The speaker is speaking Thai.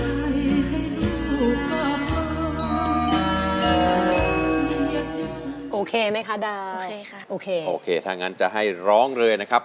โอเคไหมคะดาวใช่ค่ะโอเคโอเคถ้างั้นจะให้ร้องเลยนะครับ